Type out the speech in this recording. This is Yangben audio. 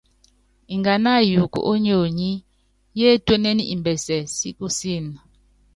Nganá ayuuku ónyonyi, yétuénen imbɛsɛ si kusííni.